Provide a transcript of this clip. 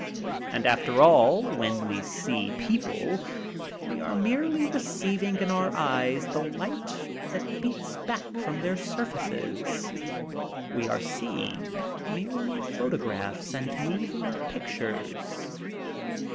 And alter all when we see people we are merely receiving in our eyes the light that beats baok from their surfaces; we are seeing merely photographs and moving pictures.